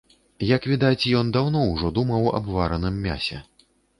Як відаць, ён даўно ўжо думаў аб вараным мясе.